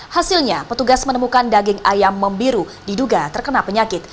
hasilnya petugas menemukan daging ayam membiru diduga terkena penyakit